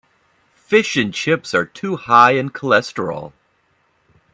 Fish and chips are too high in cholesterol.